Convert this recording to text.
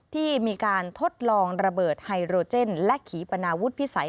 ที่มีการทดลองระเบิดไฮโรเจนและขีปนาวุฒิพิสัย